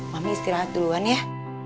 mami istirahat duluan ya